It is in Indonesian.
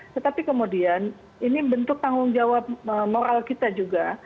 tetapi kemudian ini bentuk tanggung jawab moral kita juga